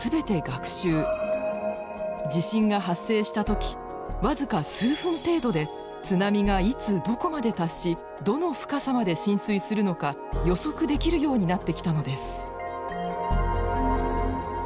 地震が発生した時僅か数分程度で津波がいつどこまで達しどの深さまで浸水するのか予測できるようになってきたのです。